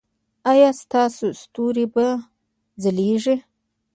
ایا ستاسو ستوري به ځلیږي؟